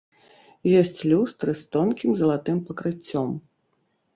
Ёсць люстры з тонкім залатым пакрыццём.